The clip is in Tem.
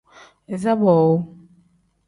Iza boowu.